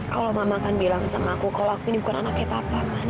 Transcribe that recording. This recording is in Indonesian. kalau mama kan bilang sama aku kalau aku ini bukan anaknya papa